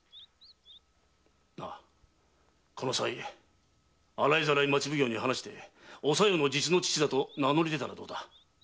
なあこのさい洗いざらい町奉行に話しておさよの実の父だと名のり出たらどうだ？